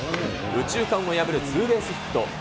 右中間を破るツーベースヒット。